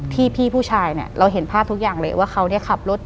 หลังจากนั้นเราไม่ได้คุยกันนะคะเดินเข้าบ้านอืม